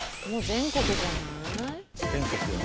全国じゃない？